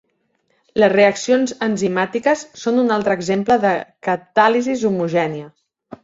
Les reaccions enzimàtiques són un altre exemple de catàlisi homogènia.